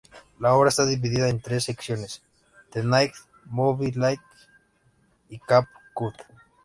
La obra está dividida en tres secciones—The Night, Moby-Dick, y Cape Cod.